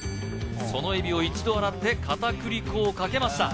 そのエビを一度洗って片栗粉をかけました